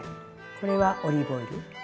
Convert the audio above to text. これはオリーブオイル。